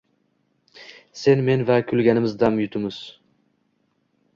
Sen men va kulganimiz dam yuzimiz